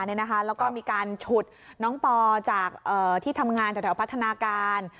แล้วก็มีการฉุดน้องปอจากที่ทำงานแถวพัฒนาการ